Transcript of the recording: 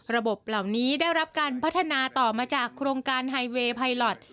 ระบบเหล่านี้ได้รับการพัฒนาต่อมาจากโครงการไฮเวย์ไพลอท